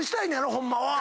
ホンマは。